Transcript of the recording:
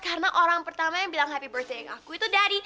karena orang pertama yang bilang happy birthday sama aku itu daddy